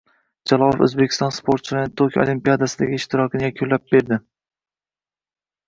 Jalolov o‘zbekistonlik sportchilarning Tokio Olimpiadasidagi ishtirokini yakunlab berdi